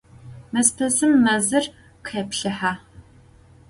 Mezpesım mezır khêplhıhe.